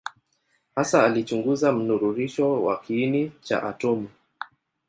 Hasa alichunguza mnururisho wa kiini cha atomu.